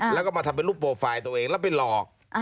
แล้วก็มาทำเป็นรูปโปรไฟล์ตัวเองแล้วไปหลอก